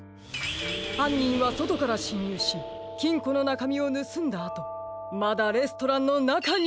はんにんはそとからしんにゅうしきんこのなかみをぬすんだあとまだレストランのなかにいます！